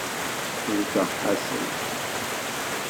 Wteɣ Ḥasan.